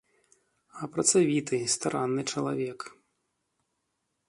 А працавіты, старанны чалавек.